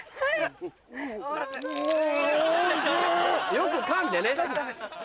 よくかんでね。